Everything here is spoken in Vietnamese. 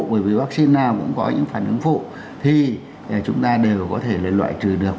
bởi vì vaccine nào cũng có những phản ứng phụ thì chúng ta đều có thể loại trừ được